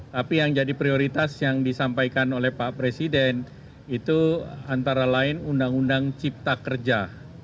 tapi yang jadi prioritas yang disampaikan oleh pak presiden itu antara lain undang undang cipta kerja